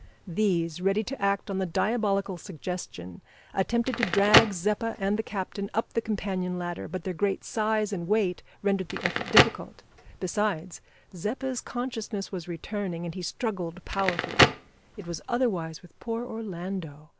These, ready to act on the diabolical suggestion, attempted to drag Zeppa and the captain up the companion ladder, but their great size and weight rendered the effort difficult. Besides, Zeppa's consciousness was returning, and he struggled powerfully. It was otherwise with poor Orlando.